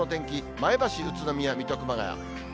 前橋、宇都宮、水戸、熊谷。